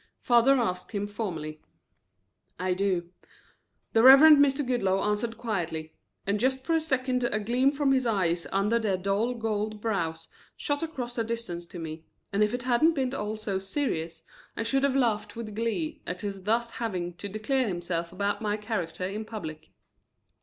father asked him formally. "I do," the Reverend Mr. Goodloe answered quietly, and just for a second a gleam from his eyes under their dull gold brows shot across the distance to me, and if it hadn't all been so serious I should have laughed with glee at his thus having to declare himself about my character in public.